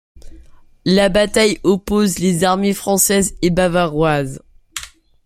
La bataille oppose les armées françaises et bavaroises.